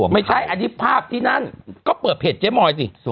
ไม่ใช่อันนี้ภาพที่นั่นก็เปิดเพจเจ๊มอยสิ